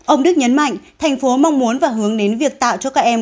ông đức nhấn mạnh thành phố mong muốn và hướng đến việc tạo cho các em